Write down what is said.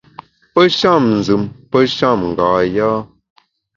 Pe sham nzùm, pe sham nga yâ.